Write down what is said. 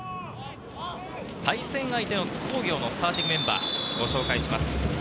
対戦相手の津工業のスターティングメンバーです。